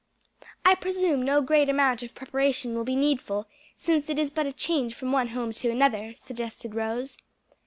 "I presume no great amount of preparation will be needful, since it is but a change from one home to another," suggested Rose.